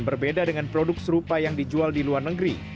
berbeda dengan produk serupa yang dijual di luar negeri